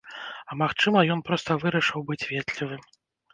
А магчыма, ён проста вырашыў быць ветлівым.